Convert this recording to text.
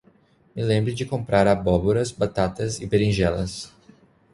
Me lembre de comprar abóboras, batatas e beringelas